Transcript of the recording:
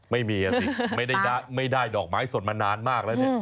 ไม่มีอ่ะสิไม่ได้ดอกไม้สดมานานมากแล้วเนี่ย